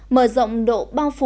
mở rộng độ bao phủ